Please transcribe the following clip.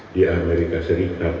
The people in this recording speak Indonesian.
di amerika serikat